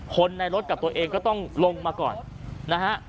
คนในรถกับตัวเองก็ต้องลงมาก่อนนะฮะ